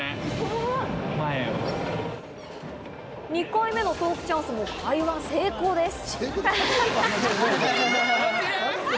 ２回目のトークチャンスも会話成功です。